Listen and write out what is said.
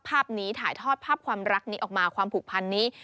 ภาพนี้ถ่ายทอดภาพความรักนี้ออกมาความผูกพันนี้